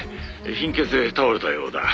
貧血で倒れたようだ」